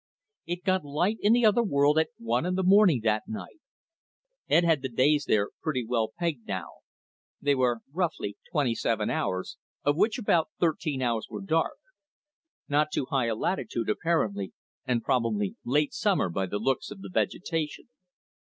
_ It got light in the other world at one in the morning that night. Ed had the days there pretty well pegged now. They were roughly twenty seven hours, of which about thirteen hours were dark. Not too high a latitude, apparently, and probably late summer by the looks of the vegetation.